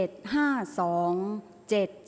ออกรางวัลที่๖